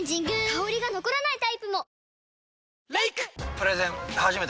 香りが残らないタイプも！